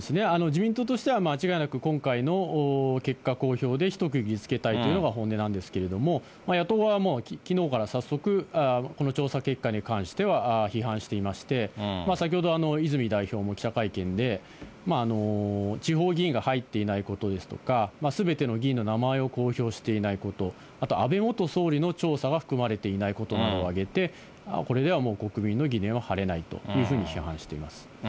自民党としては、間違いなく今回の結果公表で一区切りつけたいというのが本音なんですけれども、野党側はもうきのうから早速、この調査結果に関しては批判していまして、先ほど泉代表も記者会見で、地方議員が入っていないことですとか、すべての議員の名前を公表していないこと、あと安倍元総理の調査は含まれていないことなどを挙げて、これではもう国民の疑念は晴れないというふうに批判しています。